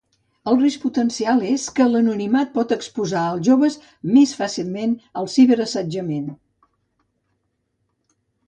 El risc potencial és que l'anonimat pot exposar els joves més fàcilment al ciberassetjament.